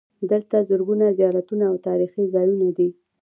دلته زرګونه زیارتونه او تاریخي ځایونه دي.